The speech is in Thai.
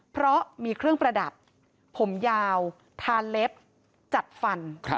เพราะมีเครื่องประดับผมยาวทาเล็บจัดฟัน